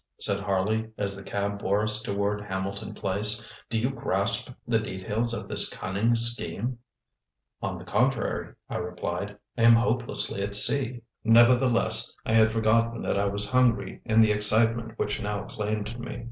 ŌĆØ said Harley as the cab bore us toward Hamilton Place. ŌĆ£Do you grasp the details of this cunning scheme? ŌĆØ ŌĆ£On the contrary, ŌĆØ I replied, ŌĆ£I am hopelessly at sea. ŌĆØ Nevertheless, I had forgotten that I was hungry in the excitement which now claimed me.